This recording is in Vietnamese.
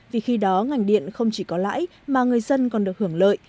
vì khi đó ngành điện không chỉ có lãi mà người dân còn được hưởng lợi